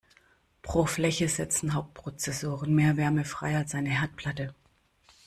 Pro Fläche setzen Hauptprozessoren mehr Wärme frei als eine Herdplatte.